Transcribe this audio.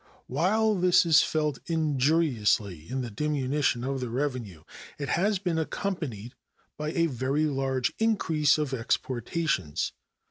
While this is felt injuriously in the diminution of the revenue, it has been accompanied with a very large increase of exportations.